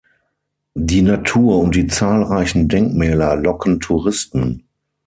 Die Natur und die zahlreichen Denkmäler locken Touristen.